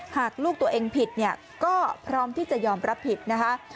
หากลูกตัวเองผิดเนี่ยก็พร้อมที่จะยอมรับผิดนะคะ